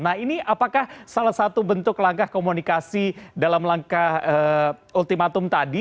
nah ini apakah salah satu bentuk langkah komunikasi dalam langkah ultimatum tadi